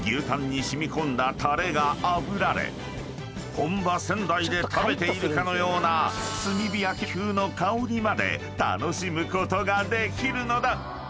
［本場仙台で食べているかのような炭火焼風の香りまで楽しむことができるのだ］